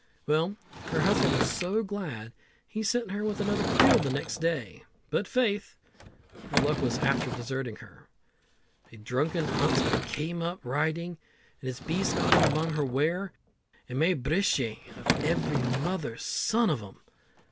Well, her husband was so glad, he sent her with another creel the next day; but faith! her luck was after deserting her. A drunken huntsman came up riding, and his beast got in among her ware, and made brishe of every mother's son of 'em.